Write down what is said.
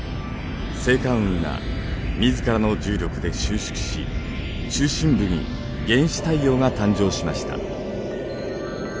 星間雲が自らの重力で収縮し中心部に原始太陽が誕生しました。